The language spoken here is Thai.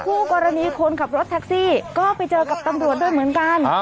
คู่กรณีคนขับรถแท็กซี่ก็ไปเจอกับตำรวจด้วยเหมือนกัน